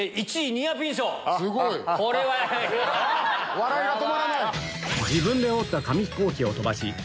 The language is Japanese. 笑いが止まらない。